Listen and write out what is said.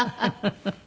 フフフフ。